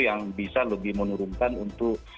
yang bisa lebih menurunkan untuk